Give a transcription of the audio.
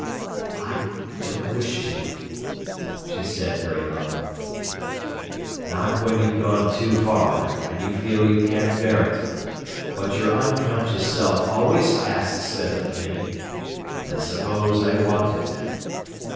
"I don't wish to," she said, very low. "Not when you've gone too far, and you feel you can't bear it. But your unconscious self always asks it of me. And I suppose I want it."